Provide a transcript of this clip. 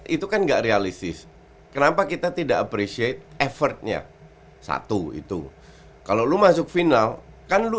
itu kan enggak realistis kenapa kita tidak appreciate effortnya satu itu kalau lo masuk final kan lo